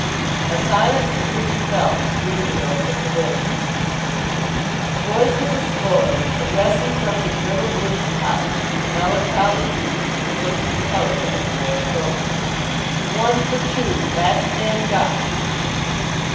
A silence that could be felt brooded over the pavilion. The voice of the scorer, addressing from his little wooden hut the melancholy youth who was working the telegraph board, broke it. "One for two. Last man duck."